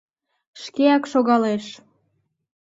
шкеак шогалеш».